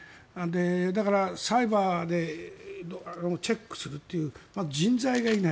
だから、サイバーでチェックするという人材がいない。